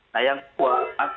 nah yang kedua